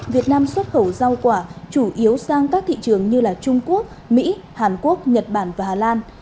việt nam xuất khẩu rau quả chủ yếu sang các thị trường như trung quốc mỹ hàn quốc nhật bản và hà lan